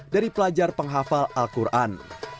dari pelajar penghafal al quran